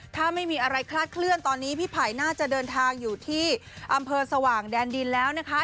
ถ้าไม่มีอะไรคลาดเคลื่อนตอนนี้พี่ไผ่น่าจะเดินทางอยู่ที่อำเภอสว่างแดนดินแล้วนะคะ